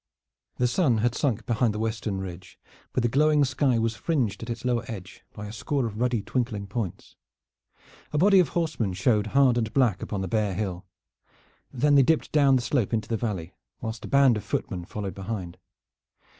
The sun had sunk behind the western ridge, but the glowing sky was fringed at its lower edge by a score of ruddy twinkling points. A body of horsemen showed hard and black upon the bare hill. Then they dipped down the slope into the valley, whilst a band of footmen followed behind.